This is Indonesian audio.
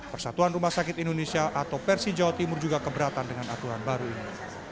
persatuan rumah sakit indonesia atau persi jawa timur juga keberatan dengan aturan baru ini